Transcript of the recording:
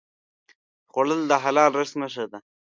خوړل د حلال رزق نښه ده